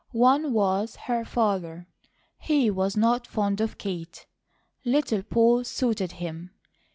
One was her father. He was not fond of Kate; Little Poll suited him.